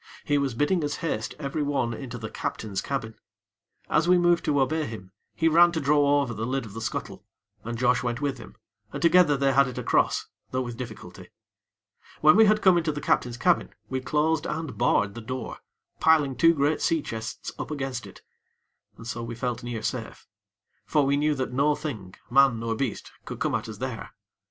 He was bidding us haste every one into the captain's cabin. As we moved to obey him, he ran to draw over the lid of the scuttle; and Josh went with him, and, together, they had it across; though with difficulty. When we had come into the captain's cabin, we closed and barred the door, piling two great sea chests up against it; and so we felt near safe; for we knew that no thing, man nor beast, could come at us there.